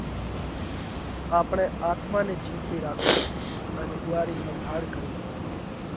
آپڻئہ آتما نئہ جيوَتئِي راکوو ان اُوئا رئِي ۿمڀاۯ ڪروو